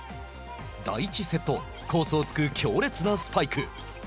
第１セットコースを突く強烈なスパイク。